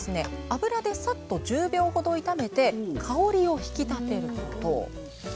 油でサッと１０秒ほど炒めて香りを引き立てること。